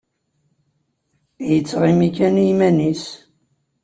Yettɣimi kan iman-is.